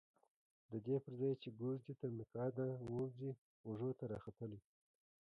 ددې پرځای چې ګوز دې تر مکعده ووځي اوږو ته راختلی.